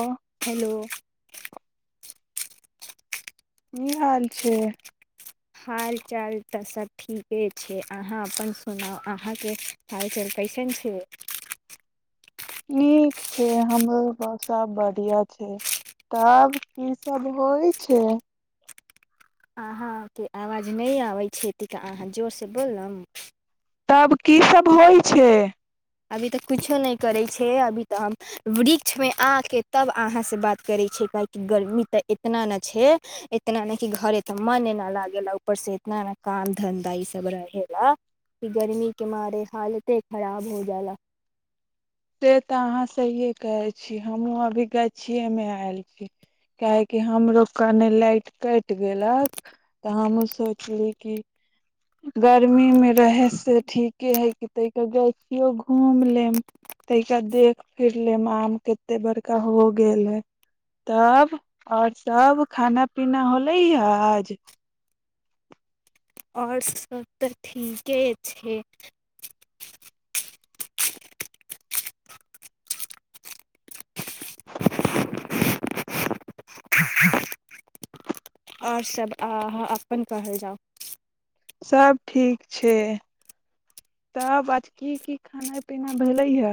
ओ hello [unintelligible] की हाल छै हाल चाल तऽ सब ठीके छै अहाँ अपन सुनाउ अहाँके चारजर कैसन छै नीक छै हमरो ग सब बढ़ििया छै तब की सब होइ छै अहा के आवाज नहि आबै छै थिक अ हँ जोरसँ बलम तब की सब होइ छै अभी तऽ कछो नहि करै छै अभी तऽ हम वृक्षमे आ कऽ तब अहाँसँ बात करै छियै काहेकि गर्मी तऽ एतना ने छै एतना ने कि घरे तऽ मन एना लागैा ऊपरसँ एतना ने काम धन्धा ईसभ रहै ला कि गरमी तमारे हालते खराब हो जा से तऽ अहाँ सहिए कहै छी हमहूँ अभी गाछिएमे आयल छी काहेकि हमरो कने लाइट कटि गेलक तऽ हमहूँ सोचली कि गर्मी मे रहै से ठीक के हे क तहिके गय छियो घूम लेम तैकेा देख फिर लेम आम कते बड़का हो गेल है तब आओर सब खाना पीना होले हज आओठ स्तर ठीकीके छे ह [unintelligible] आओर सभ अ अपन कहल जाउ सब ठीक छै तब आज की की खाना पीना भेलै हे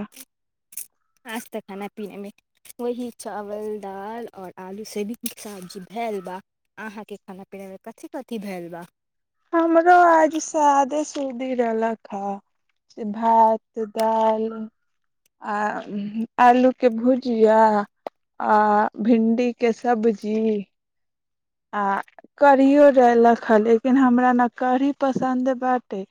आज तक खाना पीनेमे वही चावल दालि आओर आलू से भी सब्जी भेल बा अहाँके खाना पीनामे कथिी कथि भेल बा हमरो आज सादे सूदी रहलक हे से भात दालि आ आलूके भुजिया आ भिं्डीके सब्जी आ कढ़ियओ रहलेलक हे लेकिन हमरा ने कढ़ी पसन्द बाटे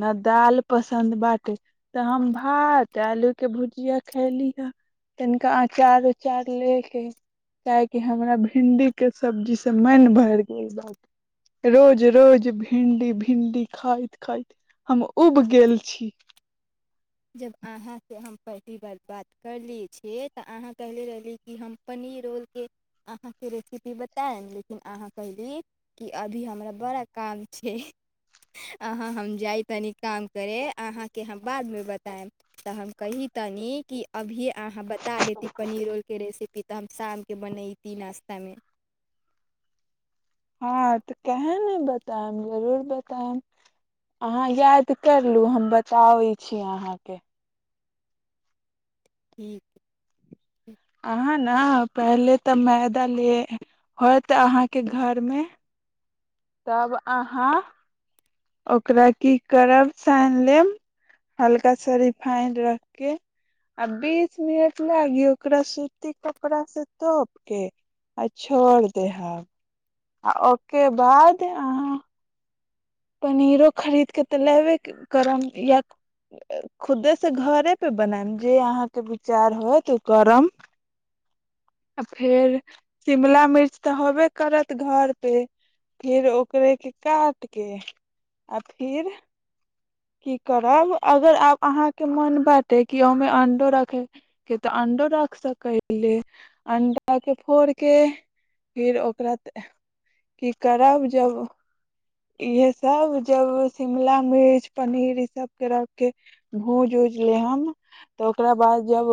ने दालि पसन्द बाटै तऽ हम भात आलूके भुजिया खयली हे तनिका अचार उचार लेके काहेकि हमरा भिणडीके सब्जी त मन भरि गेल बात रोज रोज भिंडी भिंडी खाइत खाइत हम उब गेल छी जब अहा से हम पहली बार बात करले छिय तऽ अहाँ कहले रहली कि हम पनीर रोलके अहाँके रेसिपी बतायब लेकिन अहाँ कहली कि अभी हमरा बड़ा काम छै अहाँ हम जाइ तनी काम करै अहाँके हम बादमे बता तऽ हम की तनी कि अभी अहाँ बता देती पनीर रोल के रेसिपी तऽ हम शाम के बनतीी नास्ता तमेी हँ तऽ कहे ने बतायब जरूर बतायब अहाँ याद करलू हम बताबै छी अहाँके ठीक ह ठ अहाँ ने पहिले तऽ मैदा ले होत अहाँके घरमे तब अहाँ ओकरा की करब सानि लेब हल्का सा रिफाइंड रखि कऽ आ बीस मिनट लागिय ओकरा सूती कपड़ासँ तोपि कऽ आ छोड़ि दहब आ ओके बाद पनीरो खरीद के तऽ लेबे करब या खुदे से घरे पे बनायम। जे अहाँके विचार होत ओ करम। फेर शिमला मिर्च तऽ होबे करत घर पे फेर ओकरे के काट। के आ फिर। की करब अगर आब अहाँके मोन बाँटय। कि ओहिमे अं्डो रखैके तऽ अंडो रख सकैले। अं्डाके फोड़ कऽ। फेर ओकरा की करब। जब इएहसभ जब शिमला मिर्च। पनीर ई सब कर के भूज उज लेहम। तऽ ओकरा बाद जब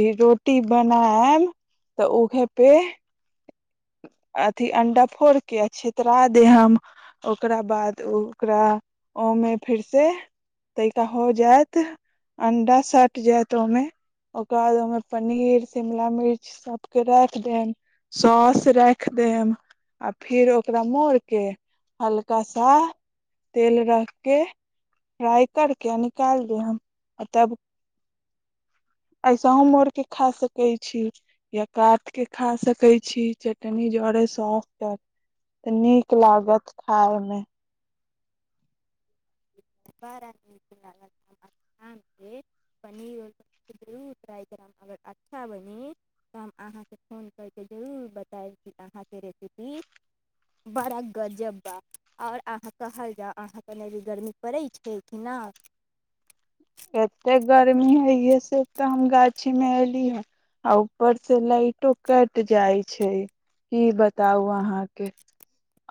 ई रोटी बनायम तऽ उहे पे। अथी अंडा फोड़ के आ छितरा देहम। ओकरा बाद ओकरा ओमे फेर से तइका हो जायत। अंडा सटि जायत। ओहिमे ओकरा बाद ओहिमे पनीर शिमला मिर्च सभके राखि देब सौस। राखि देब। आ फेर ओकरा मोड़ कऽ हल्का सा तेल रख कऽ। फ्राइ कर कऽ निकालि दे ह। आ तब। ऐस हम मोड़ि कऽ खा सकैत छी। या काटि कऽ खा सकैत छी। चटनी जरय सफटत। तऽ नीक लागत खाायमे। बड़ा नीक लाग हम अच्छा पनीरर जरूर ्राइ करब बडा निक हमर हाथ के। पनीर के जरुर टराइ करम। अगर अच्छा बनी तऽ हम अहाँके फोन करि कऽ जरूर बतायब छी? अहाँके रेसिपी बड़ा गजब बा। आओर अहाँ कहल जाउ अहाँके। गर्मी पड़ै छै कि न। एते गर्मी हय। इहे से तऽ हम गाछी मे एली हे। आ ऊपर से लाइटो कटि जाइ छै। ई बताउ अहाँके।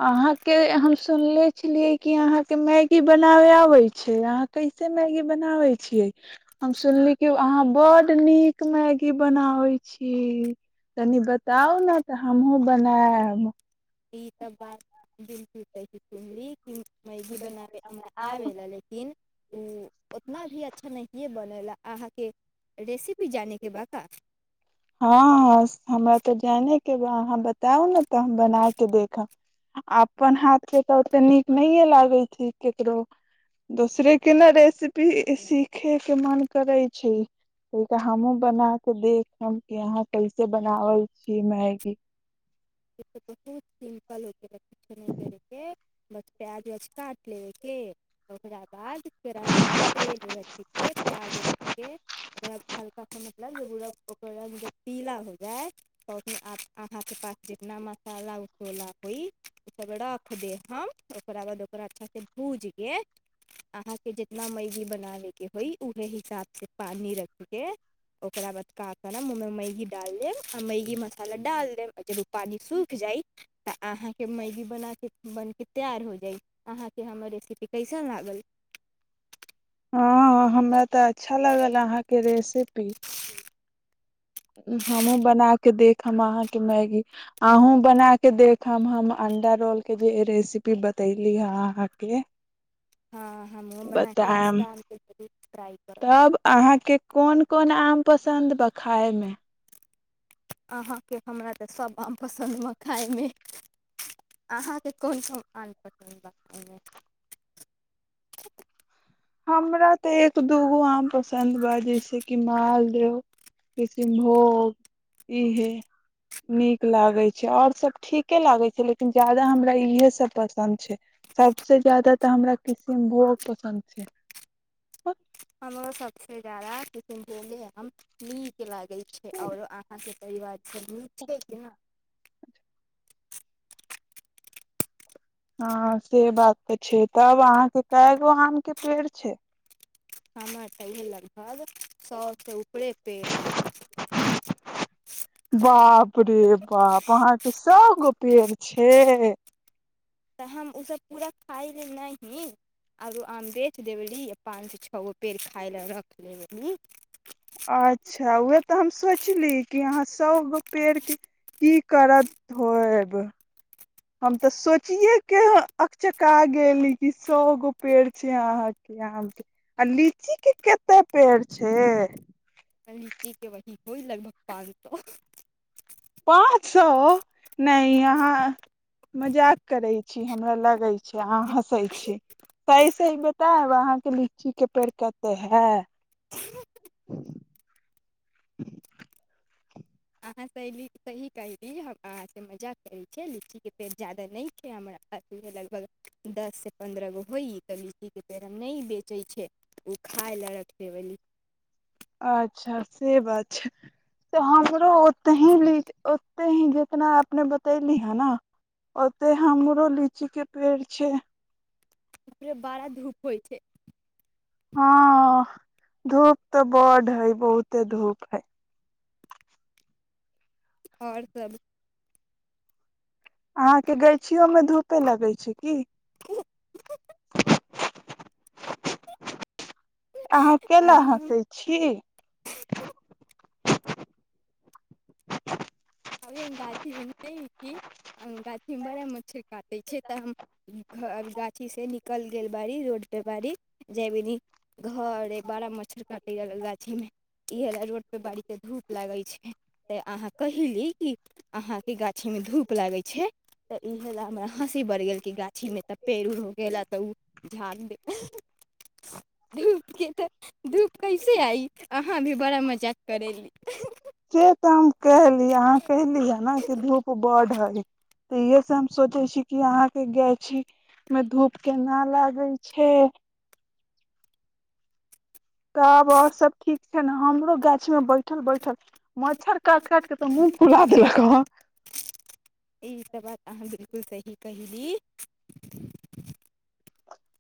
अहाँके हम सुनले छलियै। कि अहाँके मैगी बनाबय आबै छै। अहाँ कैसे मैगी बनाबै छियै। हम सुनलिय कि अहाँ बड्ड नीक मैगी बनाबै छी। कनि बताउ ने तऽ हमहूँ बनायब। ई त बाात तै सुमी। मैगी बनाबै हमरा आबेला। लेकिन ओ उतना भी अच्छा नहिए बनेला। अहाँके। रेसिपी जानेके ब का। हँ हमरा तऽ जाने के अहाँ बताउ ने तऽ। हम बना के देखब। अपन हाथ के तऽ। ओते नीक नहिये लागे छैकेकरो। दोसरे के ने रेसिपी सीखे के मन करै छै। त हमहुूँ बना कऽ देखब, कि यहाँ कैसे बनावल छी मैगी। इ बहुत सिम्पल छै। ठीक छै। नहि छैके। बस प्याज बच काट लेबैके। ओकरा बाद केड़ाहीमे तेल रखि। कऽ प्याज रखि कऽ ओकरा हल्का। मतलब जे ओकर रग जब पीला हो। जाय तऽ ओ अहाँके पास। जितना मसाला उसोला होइ। ओ सब रख दे हम ओकरा बाद ओकरा अच्छा से भूज के। अहा के जितना मै भी बनाबे। के होइ उहे हिसाब से पानी रख के ओकरा बाद क ाल देब आमेी मसाला ाल देबी। पानि सुख जाइ। त आहाँ के मैगी बनाके। बनके तयार हो जाइ। आहाँ के हमर रेसपि कसयन लगल हँ हमरा तऽ अच्छा लागल अहाँके रेसिपी। हमहूँ बना कऽ देखम। अहाँके मैगी अहूँ बना कऽ देखब हम अंडा रोलके जे रेसिपी बतयली हे अहाँके हँ ह मुँह बना के बतायब शाम के खबय। तब अहाँके कोन। कोना आम पसन्द ब खाइमे। अहाँके हमरा तऽ सभ आम पसन्द ब खाइमे। अहाँके कोन कोन आम पसन्द ब खाइमे। हमरा तऽ एक दूगो आम पसन्द बा। जैस कि मालदह, किसनभोग इहे नीक लागे छै। और सब ठीके लागे छै। लेकिन ज्यादा हमरा इहे सब पसन्द छै सबस जाददा। तऽ हमरा किसनभोग पसन्द ठीक। हमरो सभसँ ज्यादा किसन बोले हम नीक लागै छै। आओर अहाँके परिवार सभ नीक छै किना। हँ से बात तऽ छै तब अहाँके कए गो आम के पेड़ छै हमर चहि लगभग सए से ऊपरे पेड़ होइ। बाप रे बाप वहाके सौ गो पेड़ छैे। तऽ हम ओसभ पूरा खायाय लेल नही आरो आम बेच देेली आ पाँचसँ छओ गो पेड़ खाय लेल रख लेबी अच्छा उएह तऽ हम सोचली कि अहाँ सभगो पेड़के की करत होयब हम तऽ सोचियेके अचका गेली कि सएगो पेड़ छै अहाँके आके आ लीची के कतेक पेड़ छै लीची के वही होइ लगभग पाँच सो पाँच सए नहि अहाँ मजाक करै छी हमरा लगै छै अहाँ हँसै छी सही सही बतायब अहाँके लीची के पेड़ कते हए अहाँ सही सही कहैली हम अहाँसँ मजा करैत छिय लीचीके पेड़ ज्यादा नहि छै हमरा लगभग दससँ पन्द्रह गो होइ तऽ लीचीके पेड़ हम नहि बेचैत छै ओ खाय लए रख देबली अच्छा से बात छै तऽ हमरो ओते ही ओते ही जितना अपने बतैली हे ने ओते हमरो लीची के पेड़ छै जे बड़ा धूप होइ छै हँ धूप तऽ बड है बहुते धूप है आओर सभ अहाँके गाछियो में धूपे लगैत छै की [inaudible] अहाँ केेल अभी हम हँसै छी अभे हम गाछीमे ने छी गाछी मे बड़ा मच्छर काटे छै तऽ हम गाछी से न कल गेल बाड़ी रोड पे बाड़ी जयबनी घर बड़ा मच्छर काटे य गाछी में इ रोड पे बाड़ी के धूप लागे छै ते अहाँ कहिली अहाके गाछी मे धूप लागे छै तऽ इ हेल हँसी बड़ गेल गाछी मे तऽ पेड़ उड़ हो गेला तऽ झड़ धूपके तऽ धूप कैसे आइ अहाँ भी बड़ा मजाक करैली से तऽ हम कहली अहाँ कली हे ने कि धूप बड हय त इहे से हम सोचे छी कि अहाँ के गाछी मे धूप केना लागय छै तब आओर सब ठीक छै ने हमरो गाछ मे बैठल बैठल मच्छर काटि काट के तऽ मुूँह फुला देलक हँ ई त बात अहाँ बिलकुल सही कहहिली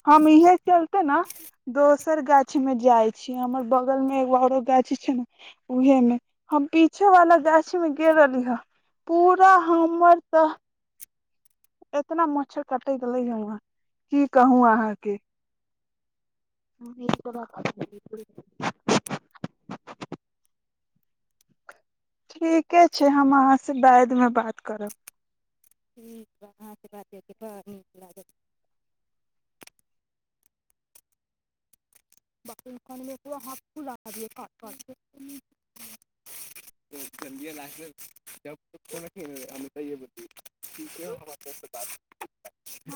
हम इहे चलते न दोस सर गाछ में जाइ छी हमर बगल मे एगो औरो गाछ छै ने उहे मे हम पीछे वाला गाछ मे गेल रहली हे पूरा हमर तऽ इतना मच्छर कटैत रहले ह की कहू अहाँके ह बात ठीके छै हम अहाँसँ बादमे बात करब ठीक ह अहाँसँ बातयतै बड़ नीक लागत [unintelligible]